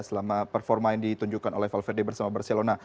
selama performa yang ditunjukkan oleh valverde bersama barcelona